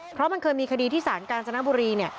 เพราะมันเคยมีคดีที่สารกาญจนบุรีเนี่ย